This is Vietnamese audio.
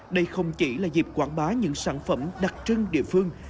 đây không chỉ là dịp quảng bá những sản phẩm đặc trưng địa phương